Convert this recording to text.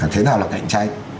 thế nào là cạnh tranh